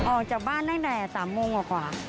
ออกจากบ้านตั้งแต่๓โมงกว่า